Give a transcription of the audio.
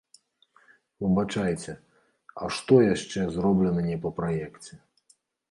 Выбачайце, а што яшчэ зроблена не па праекце?